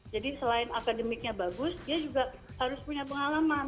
jadi selain akademiknya bagus dia juga harus punya pengalaman